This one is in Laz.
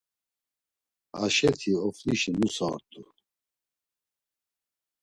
Aşeti, Oflişi nusa ort̆u.